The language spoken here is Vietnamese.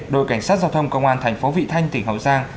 đội cảnh sát giao thông công an thành phố vị thanh tỉnh hậu giang